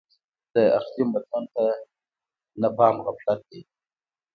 د اقلیم بدلون ته نه پام غفلت دی.